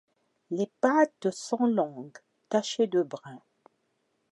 Les pattes sont longues, tachées de brun.